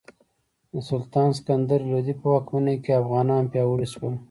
د سلطان سکندر لودي په واکمنۍ کې افغانان پیاوړي شول.